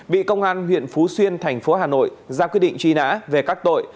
bị công an huyện phú xuyên tp hà nội ra quyết định truy nã về các tội